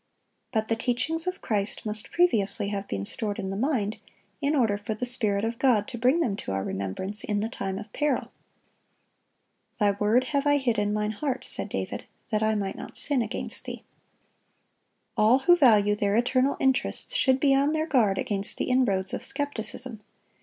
(1036) But the teachings of Christ must previously have been stored in the mind, in order for the Spirit of God to bring them to our remembrance in the time of peril. "Thy word have I hid in mine heart," said David, "that I might not sin against Thee."(1037) All who value their eternal interests should be on their guard against the inroads of skepticism.